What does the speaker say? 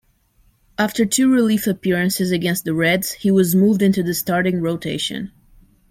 After two relief appearances against the Reds, he was moved into the starting rotation.